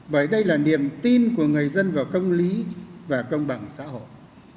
bởi đây là niềm tin của người dân vào công lý và công bằng xã hội